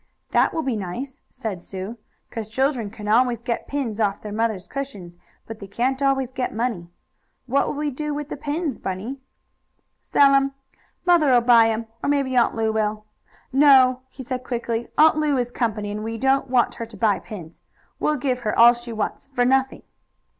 "That will be nice," said Sue, "'cause children can always get pins off their mothers' cushions, but they can't always get money. What will we do with the pins, Bunny?" "Sell 'em. Mother will buy 'em, or maybe Aunt Lu will. No," he said quickly, "Aunt Lu is company, and we don't want her to buy pins. We'll give her all she wants for nothing."